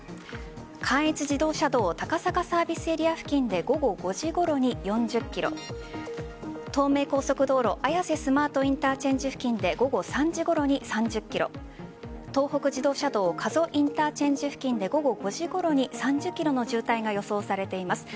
関越自動車道高坂サービスエリア付近で午後５時ごろに４０ｋｍ東名高速道路綾瀬スマートインターチェンジ付近で午後３時ごろに３０ｋｍ東北自動車道加須インターチェンジ付近で午後５時ごろに３０ｋｍの渋滞が予想されています。